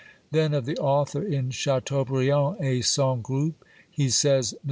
Then of the author, in Chateaubriand et son Groupe^ he says :" M.